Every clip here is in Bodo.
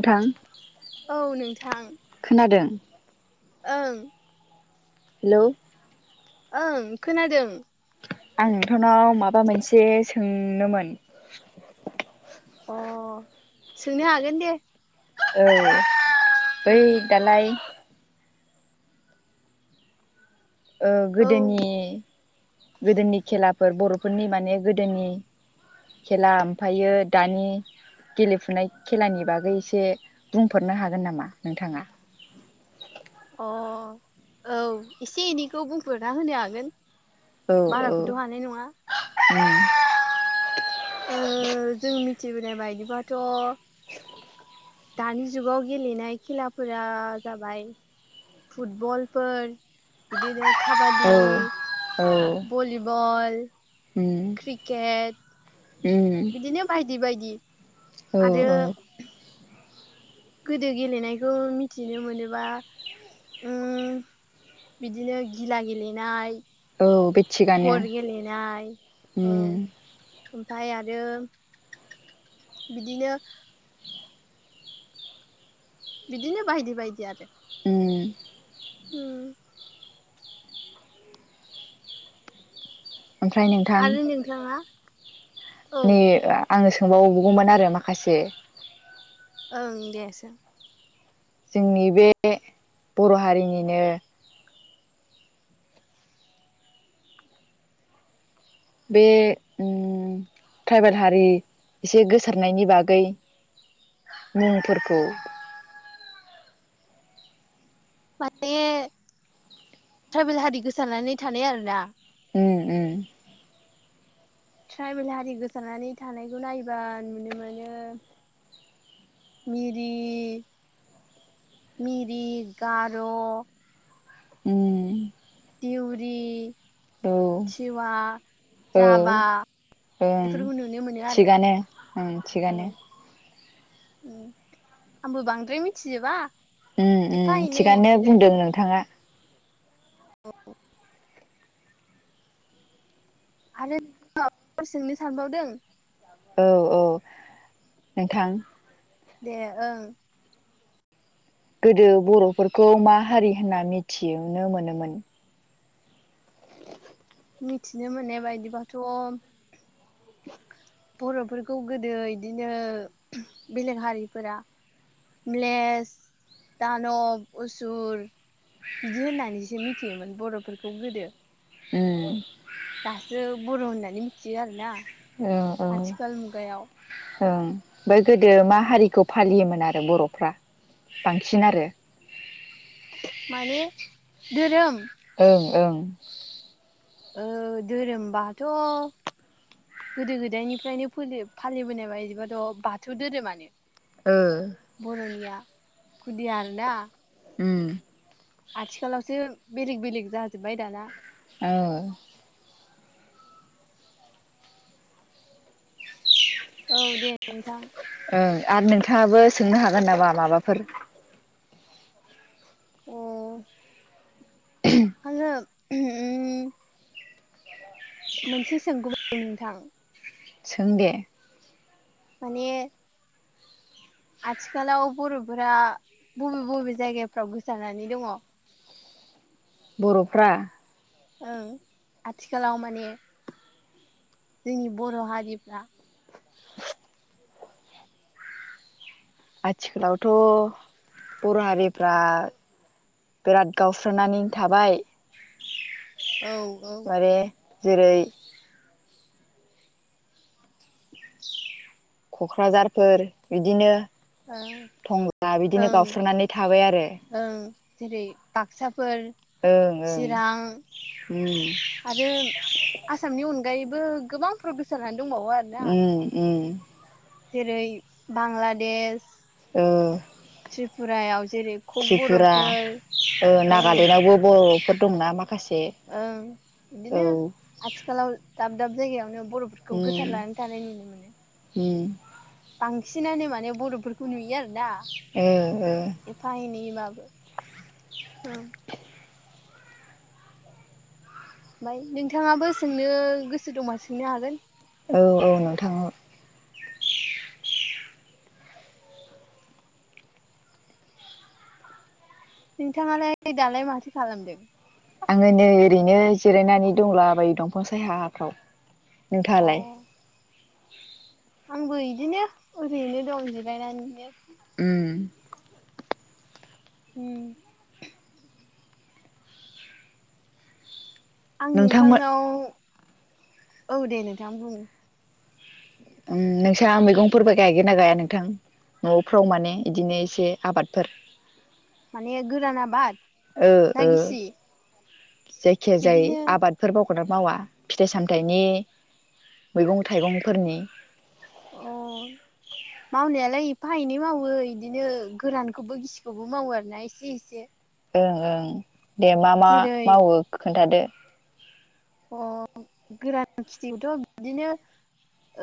नोंथां औ नोंथां खोनादों ओं हेलौ ओं खोनादों। आं नोंथांनाव माबा मोनसे सोंनोमोन अह सोंनो हागोन दे औ बै दालाय ओ औ गोदोनि गोदोनि खेला फोर बर'फोरनि माने गोदोनि खेला ओमफायो दानि गेलेफुनाय खेलानि बागै एसे बुंफोररनो हागोन नामा नोंथाङा [inaudible] अ औ एसे एनैखौ बुंफोरना होनो हागोन। औ बाराखौथ' औ हानाय नङा। ओ जों मिथिबोनाय बायदिबाथ' [inaudible] दानि जुगाव गेलेनाय खेलाफोरा जाबाय फुटबलफोर बिदिनो काबादि औ औ भलिबल उम क्रिकेट उम बिदिनो बायदि-बायदि औ आरो औ गोदो गेलेनायखौ मिथिनो मोनोबा उम बिदिनो गिला गेलेनाय औ बे थिगानो गर गेलेनाय उम औ ओमफाय आरो बिदिनो बिदिनो बायदि-बायदि आरो उम उम ओमफ्राय नोंथां आरो नोंथाङा। औ नि आङो सोंबावगौमोन आरो माखासे ओं देसों जोंनि बे बर' हारिनिनो बे उम ट्राइबेल हारि एसे गोसारनायनि बागै मुंफोरखौ। माने ट्राइबेल हारि गोसारनानै थानाय आरोना। उम उम। ट्राइबेल हारि गोसारनानै थानायखौ नायबा नुनो मोनो। मिरि। मिरि, गार' उम। दिउरि, औ थिवा, औ राभा ओं बेफोरखौ नुनो मोनो आरो थिगानो ओं औ थिगानो। आंबो बांद्राय मिथिजोबा। उम एफा उम एनै थिगानो बुंदों नोंथाङा। औ। आरो माबाफोर सोंनो सानबावदों? औ-औ नोंथां। दे ओं गोदो बर'फोरखौ मा हारि होनना मिथिनो मोनोमोन मिथिनो मोननाय बायदिबाथ' बर'फोरखौ गोदो इदिनो बेलेग हारिफोरा म्लेस दानब उसुर बिदि होननानैसो मिथियोमोन बर'फोरखौ गोदो उम दासो बर' होननानै मिथियो आरो ना औ औ औ ओं ओमफ्राय गोदो मा हारिखौ फालियोमोन आरो बर'फ्रा बांसिन आरो माने धोरोम ओं ओं ओ धोरोमबाथ' गोदो गोदायनिफ्रायनो फोलि फालिबोनाय बायदिबाथ' बाथौ धोरोमानो ओ बर'निया खुदिया आरो ना उम आथिखालावसो बेलेग-बेलेग जाजोब्बाय दाना औ औ दे नोंथां। ओं आरो नोंथाङाबो सोंनो हागोन नामा माबाफोर अ आङो उम मोनसे सोंगौमोन नोंथां। सों दे माने आथिखालाव बर'फोरा बबे बबे जायगाफ्राव गोसारनानै दंङ बर'फ्रा ओं आथिखालाव माने जोंनि बर' हारिफ्रा आथिखालावथ' बर' हारिफ्रा बिराद गावस्रानानै थाबाय। औ औ माने जेरै क'क्राझारफोर बिदिनो ओं थंला बिदिनो ओं गावस्रानानै थाबाय आरो फोर ओं ओं चिरां उम आरो आसामनि उन गायैबो गोबां फोराव गोसारनानै दंबावो आरोना उ उ जेरै बांलादेश औ त्रिपुरायाव जेरै कक त्रिपुरा बर'फोर ओ ओं नागालेण्डआवबो बर'फोर दंना माखासे ओं औ बिदिनो आथिखालाव दाब दाब जायगायावनो बर'फोरखौ उम गोसार लानानै थानाय नुनो मोनो। उम बांसिनानो माने बर'फोरखौ नुयो आरोना ओ ओ एफा एनै बाब औ ओमफाय नोंथांङाबो सोंनो गोसो दं सोंनो हागोन औ औ नोंथां औ नोंथांङालाय दालाय माथो खालामदों? आंङो नै ओरैनो जिरायनानै दंला बायो दंफां सायाफ्राव। अ नोंथाङालाय? आंबो इदिनो ओरैनो दं जिरायनानैनो। उम उम आं नोंथांमोन नोंथांनाव औ दे नोंथां बुं उम नोंस्रा मैगंफोरबो गायगोना गाया नोंथां? न'फ्राव माने इदिनो एसे आबादफोर माने गोरान आबाद? ओ ना ओ गिसि जायखिया जाय बिदिनो आबादफोरखौ खौनो मावा फिथाइ सामथायाइनि मैगं थाइगंफोरनि अ मावनायालाय एफा एनै मावो इदिनो गोरानखौबो गिसिखौबो मावो आरोना एसे एसे ओं ओं दे मा मा जेरै मावो खोन्थादो अ गोरान खिथिखौथ' बिदिनो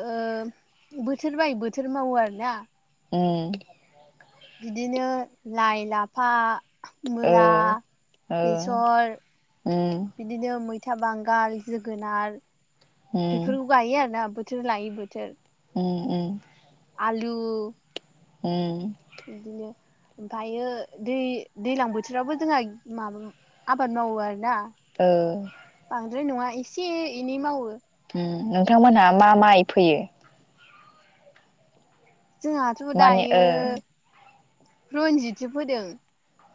ओ बोथोर बाय बोथोर मावो आरोना उम बिदिनो लाइ लाफा मुला ओ बेसर बिदिनो मै फिथा बांगाल जोगोनार बेफोरखौ गायो आरोना बोथोर लायै बोथोर उम उम आलु उम बिदिनो ओमफ्रायो दै दैज्लां बोथोरावबो जोंहा माबा आबाद मावो आरोना ओं बांद्राय फ्राय नङा एसे एनै मावो। नोंथांमोनहा मा माइ फैयो? जोंहाथ' माने ओ दायो रन्जितसो फोदों।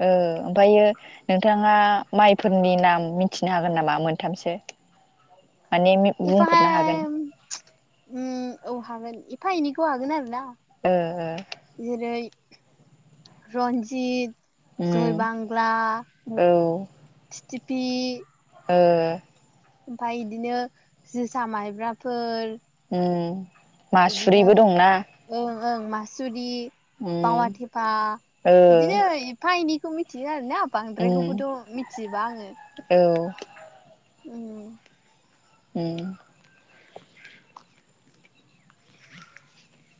ओ ओमफ्रायो नोंथाङा माइफोरनि नाम मिथिनो हागोन नामा मोनथामसो? औ एफाहाय औ हागोन एफा एनिखौ हागोन आरो ना आं ओ ओ रन्जित जय बांग्ला, ओ सिथिपि ओ ओमफाय बिदिनो जोसा माइब्राफोर ओ इदिनो मासुरिबो दंना? ओं ओं मासुरि, ओ पावा थेफा औ बिदिनो एफा एनैखौ मिथियो आरो ना बांद्रायखौबोथ' मिथिजोबा आङो। ओ ओम ओम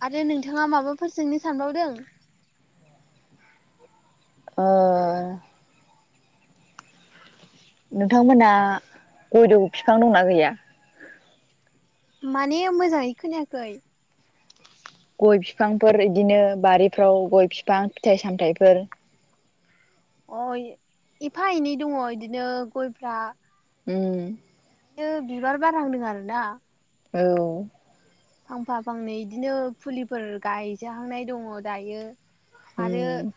आरो नोंथाङा माबाफोर सोंनो सानबावदों? अ नोंथांमोनहा गय दं' बिफां दंना गैया? माने मोजाङै खोनायाखै? गय बिफांफोर बिदिनो बारिफ्राव गय बिफां फिथाइ सामथायाइफोर अ एफा एनै दङ बिदिनो गयफ्रा ओम बियो बिबार बारहांदों आरो ना औ फांफा फांनै बिदिनो फुलिफोर गायजाहांनाय दङ दायो। आरो उम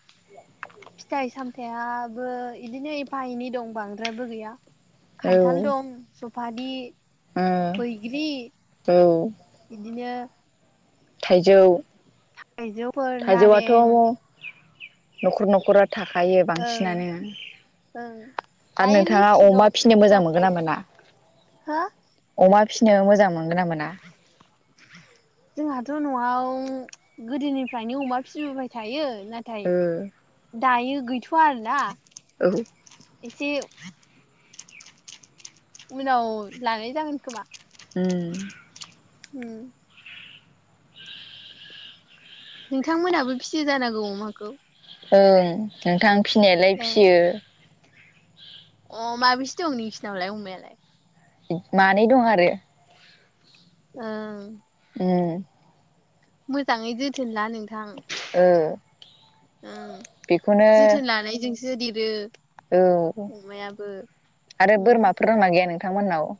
फिथाइ सामथाइयाबो इदिनो एफा एनै दं बांद्रायबो गैया। औ खान्थाल दं सफारि बैग्रि ओ औ बिदिनो थाइजौ थाइजौफोर थाइजौआथ' नारें न'खर न'खरा थाखायो ओं बांसिनानो। ओं आरो दायो नोंथाङा लिसु अमा दं फिसिनो मोजां मोनगोन ना मोना? हो अमा फिसिनो मोजां मोनगोन ना मोना? जोंहाथ' न'आव गोदोनिफ्रायनो अमा फिसिबोबाय थायो। नाथाय ओ दायो गैथ'वा आरोना औ एसे उनाव लांनाय जागोन खोमा। ओम ओम नोंथांमोनहाबो फिसि जानांगौ अमाखौ? ओं नोंथां फिसिनायालाय ए फिसियो अ माबेसे दं नोंसिनावलाय अमायालाय? मानै दं आरो ओं ओम मोजांङै जोथोन ला नोंथां। ओ ओं बेखौनो जोथोन लानायजोंसो देरो। औ अमायाबो आरो उम बोरमाफोर दंना गैया नोंथांमोननाव?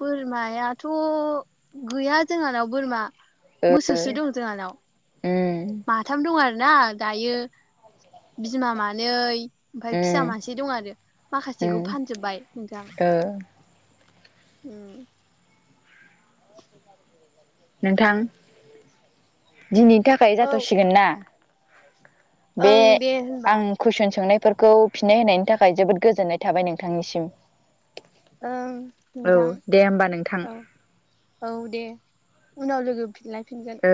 बोरमायाथ' गैया जोंहानाव बोरमा। मोसौसो दं जोंहानाव उम माथाम दं आरो। आर ना दायो बिमा मानै ओमफ्राय फिसा उम मानसे दं आरो माखासेखौ उम फानजोबबाय नोंथां। ओ उ। नोंथां दिनैनि थाखाय औ जाथ'सिगोन ना? बे ओं दे होनबा आं कुइसन सोंनाय फोरखौ फिननाय होनायनि थाखाय जोबोद गोजोननाय थाबाय नोंथांनिसिम। ओं औ नोंथां दे होमबा नोंथां औ औ दे। उनाव लोगो फिनलायफिनगोन।